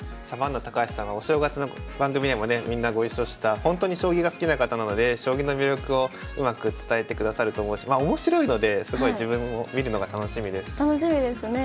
サバンナ高橋さんはお正月の番組でもねみんなご一緒したほんとに将棋が好きな方なので将棋の魅力をうまく伝えてくださると思うし面白いのですごい自分も見るのが楽しみです。